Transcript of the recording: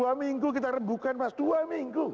mufakat dua minggu kita rebukan mas dua minggu